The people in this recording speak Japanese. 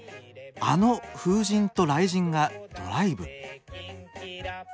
あの風神と雷神がドライブ。